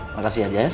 makasih ya jess